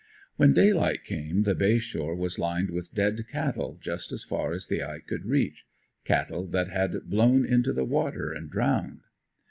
When daylight came the Bay shore was lined with dead cattle just as far as the eye could reach; cattle that had blown into the water and drowned.